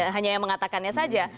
hanya yang mengatakannya saja